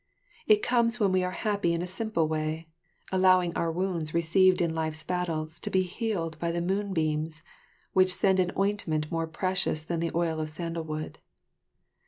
It comes when we are happy in a simple way, allowing our wounds received in life's battles to be healed by the moon beams, which send an ointment more precious than the oil of sandalwood.